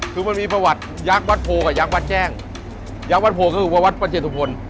คือมันมีประวัติยักษ์วัดโพกับยักษ์วัดแจ้งยักษ์วัดโพก็คือวัดวัดเจตุพล